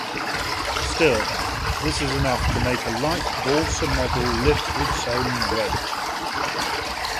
Still, this is enough to make a light balsa model lift its own weight.